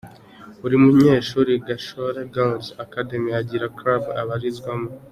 Buri munyeshuri Gashora Girls’ Academy agira club abarizwamo.